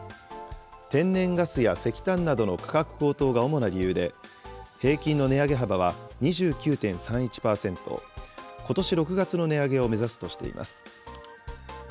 天然ガスや石炭などの価格高騰が主な理由で、平均の値上げ幅は２９．３１％、ことし６月の値上げを目指すとしています。